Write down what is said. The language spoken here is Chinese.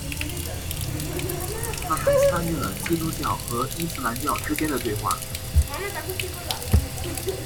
他还参与了基督教和伊斯兰教之间的对话。